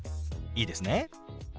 いいですね？